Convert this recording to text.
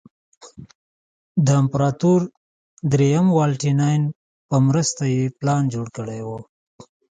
د امپراتور درېیم والنټیناین په مرسته یې پلان جوړ کړی و